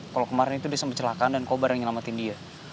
kalau kemarin itu dia sempat celakan dan kobar yang nyelamatin dia